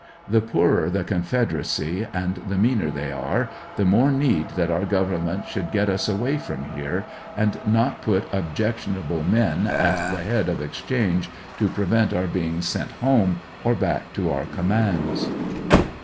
The poorer the Confede racy, and the meaner they are, the more need that our government 46 ANDERSONVILLE DIARY. should get us away from here, and not put objectionable men at the head of exchange to prevent our being sent home or back to our commands.